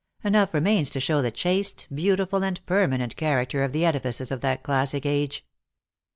Enough remains to show the chaste, beautiful, and permanent character of the edifices of that classic age."